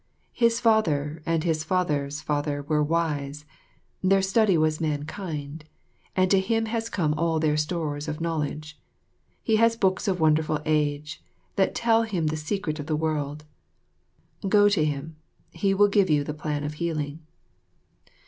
His father and his father's father were wise; their study was mankind, and to him has come all their stores of knowledge. He has books of wonderful age, that tell him the secret of the world. Go to him; he will give you the plan of healing."